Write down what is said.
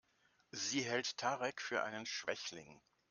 Sie hält Tarek für einen Schwächling.